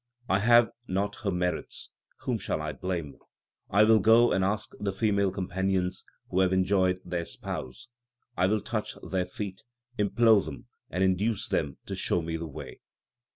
I have not her merits ; whom shall I blame ? I will go and ask the female companions who have enjoyed their Spouse ; I will touch their feet, implore them, and induce them to show me the way.